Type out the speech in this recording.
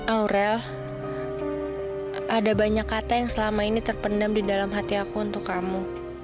aurel ada banyak kata yang selama ini terpendam di dalam hati aku untuk kamu